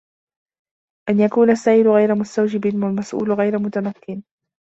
أَنْ يَكُونَ السَّائِلُ غَيْرَ مُسْتَوْجِبٍ وَالْمَسْئُولُ غَيْرُ مُتَمَكِّنٍ